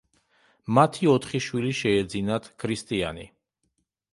მათი ოთხი შვილი შეეძინათ: ქრისტიანი.